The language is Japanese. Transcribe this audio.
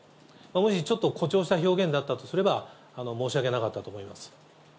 もしちょっと誇張した表現だったとすれば、申し訳なかったと思います。